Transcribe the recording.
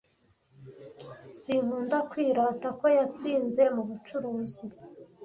Sinkunda kwirata ko yatsinze mubucuruzi.